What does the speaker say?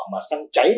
mà xăng cháy